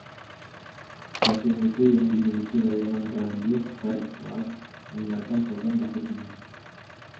Stasiun itu, yang dimiliki layanan Radio Fairchild, menyiarkan program bahasa Cina.